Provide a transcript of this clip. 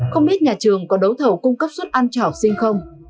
không biết nhà trường có đấu thầu cung cấp suất ăn cho học sinh không